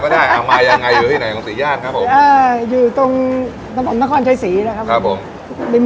ได้ทานของอร่อยบ้าง